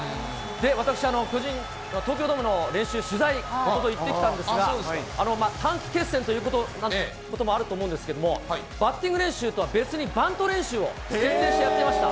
私、巨人、東京ドームの練習、取材、おととい行ってきたんですが、短期決戦ということもあると思うんですけれども、バッティング練習とは別に、バント練習を徹底してやっていました。